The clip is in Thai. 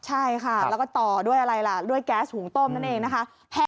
ใช่ค่ะแล้วก็ต่อด้วยอะไรล่ะด้วยแก๊สหุงต้มนั่นเองนะคะ